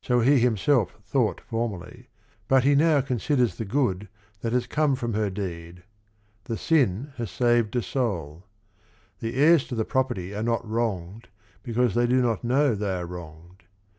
So he himself thought formerly, bu t he now con siders^ the good t hat has come from her de ed: "The _sin ha s saved a soul." The heirs to the property are not wronged because they do not know they are wronged.